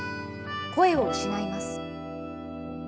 声を失います。